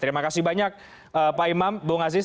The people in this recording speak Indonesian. terima kasih banyak pak imam bung aziz